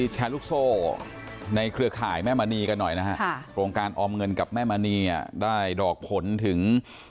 แชร์ลูกโซ่ในเครือข่ายแม่มณีกันหน่อยนะฮะโครงการออมเงินกับแม่มณีได้ดอกผลถึง